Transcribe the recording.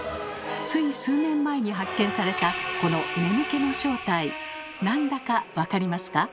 つい数年前に発見されたこの眠気の正体なんだか分かりますか？